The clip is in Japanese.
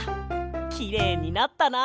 きれいになったな！